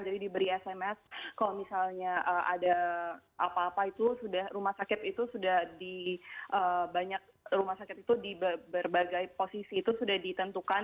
jadi diberi sms kalau misalnya ada apa apa itu sudah rumah sakit itu sudah di banyak rumah sakit itu di berbagai posisi itu sudah ditentukan